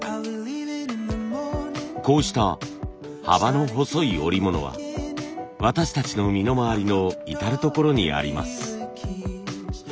こうした幅の細い織物は私たちの身の回りの至る所にあります。